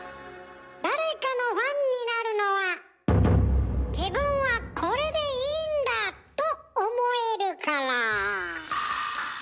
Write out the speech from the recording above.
誰かのファンになるのは「自分はこれでいいんだ！」と思えるから。